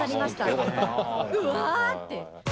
うわ！って。